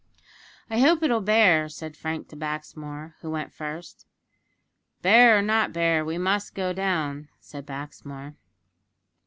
"I hope it'll bear," said Frank to Baxmore, who went first. "Bear or not bear, we must go down," said Baxmore.